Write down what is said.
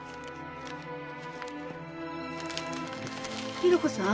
弘子さん？